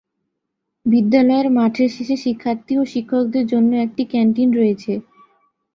বিদ্যালয়ের মাঠের শেষে শিক্ষার্থী ও শিক্ষকদের জন্য একটি ক্যান্টিন রয়েছে।